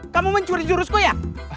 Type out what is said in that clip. kamu mencuri jurusku ya